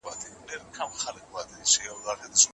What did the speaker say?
که د ميرمنې صفت ذکر نه سي، طلاق واقع کیږي؟